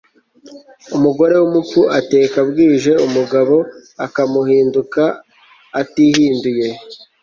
umugore w'umupfu ateka bwije, umugabo akamuhinduka atihinduye